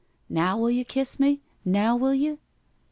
Now will you kiss me? Now will you?"